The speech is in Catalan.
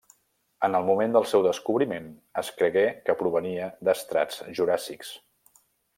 En el moment del seu descobriment es cregué que provenia d'estrats juràssics.